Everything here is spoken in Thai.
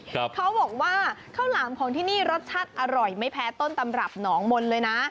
เขาบอกว่าข้าวหลามของที่นี่รสชาติอร่อยไม่แพ้ต้นตำรับหนองมนต์เลยนะ